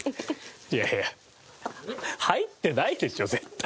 いやいや入ってないでしょ絶対。